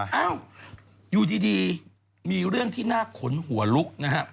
เอ้าอยู่ดีมีเรื่องที่น่าขนหัวลุกนะฮะ